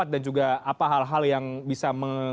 dan juga apa hal hal yang bisa mengeruskan